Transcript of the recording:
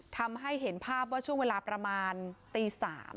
ทำให้เห็นภาพว่าช่วงเวลาประมาณตี๓